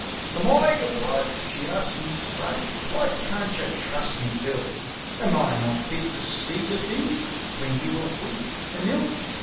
"Am I yer wife?" she asks me straight. "Why can't yeh trust me, Bill? Am I not fit to sec to things when you are weak an' ill?"